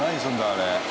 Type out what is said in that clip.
あれ。